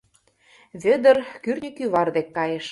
Вӧдыр кӱртньӧ кӱвар дек кайыш.